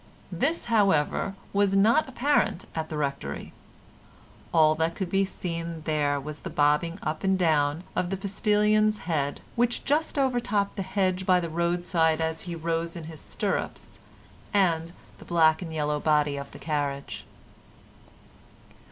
This, however, was not apparent at the Rectory. All that could be seen there was the bobbing up and down of the postilion's head, which just over topped the hedge by the roadside as he rose in his stirrups, and the black and yellow body of the carriage.